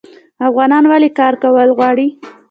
افغانان ولې کار کول غواړي؟